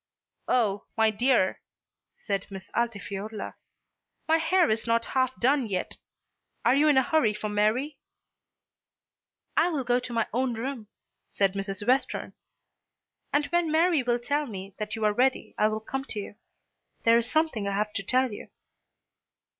"Oh, my dear," said Miss Altifiorla, "my hair is not half done yet; are you in a hurry for Mary?" "I will go to my own room," said Mrs. Western, "and when Mary will tell me that you are ready I will come to you. There is something I have to tell you."